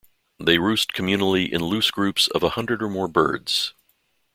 They roost communally in loose groups of a hundred or more birds.